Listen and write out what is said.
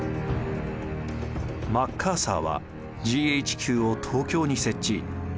マッカーサーはＧＨＱを東京に設置。